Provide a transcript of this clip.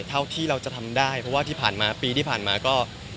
เท่าที่เราจะทำได้เพราะว่าที่ผ่านมาปีที่ผ่านมาก็